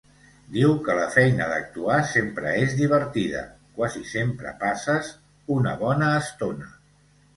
Diu que la feina d'actuar, sempre, és divertida, quasi sempre passes una bona estona.